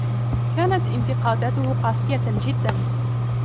كانت انتقاداته قاسية جدا